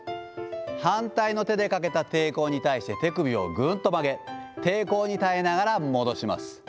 反対の手でかけた抵抗に対して、手首をぐっと曲げ、抵抗に耐えながら戻します。